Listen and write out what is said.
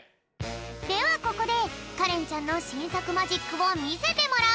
ではここでかれんちゃんのしんさくマジックをみせてもらうぴょん。